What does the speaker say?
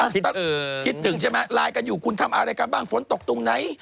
คิดตื่นคิดตื่นใช่ไหมไลน์กันอยู่คุณทำอะไรกับบ้างผลตกตรงไหน